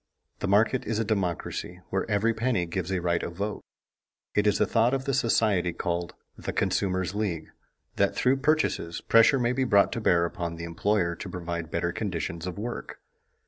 The market is a democracy where every penny gives a right of vote. It is the thought of the society called "The Consumers' League" that through purchases, pressure may be brought to bear upon the employer to provide better conditions of work.